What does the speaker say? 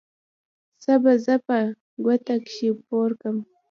څه به زه په کوټه کښې پورکم.